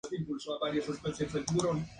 Tienen un color verde y amarillo.